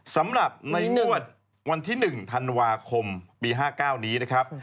สำหรับในงวดวันที่๑ธันวาคมปี๕๙นี้นะครับ